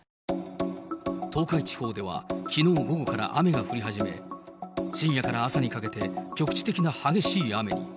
東海地方ではきのう午後から雨が降り始め、深夜から朝にかけて、局地的な激しい雨が。